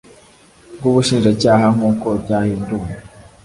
bw ubushinjacyaha nk uko ryahinduwe